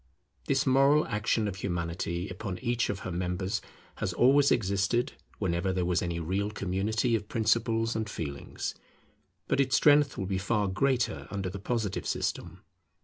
This moral action of Humanity upon each of her members has always existed whenever there was any real community of principles and feelings. But its strength will be far greater under the Positive system.